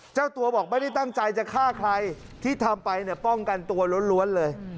เจ้าตัวบอกไม่ได้ตั้งใจจะฆ่าใครที่ทำไปเนี่ยป้องกันตัวล้วนเลย